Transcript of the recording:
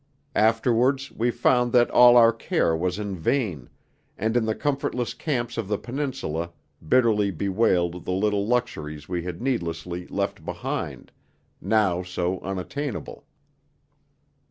Afterwards we found that all our care was in vain, and in the comfortless camps of the Peninsula bitterly bewailed the little luxuries we had needlessly left behind, now so unattainable.